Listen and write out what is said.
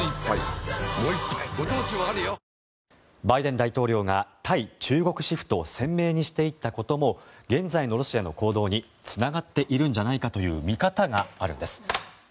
バイデン大統領が対中国シフトを鮮明にしていったことも現在のロシアの行動につながっているんじゃないかという見方があるんです。